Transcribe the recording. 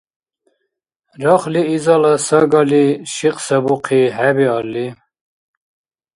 Рахли изала сагали шикьсабухъи хӀебиалли?